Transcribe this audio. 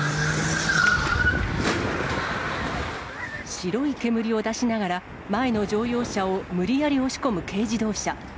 白い煙を出しながら、前の乗用車を無理やり押し込む軽自動車。